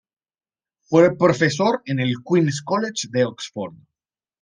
Fue profesor en el Queen's College de Oxford.